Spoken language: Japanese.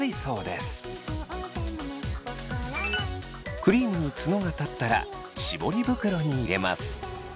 クリームにツノが立ったらしぼり袋に入れます。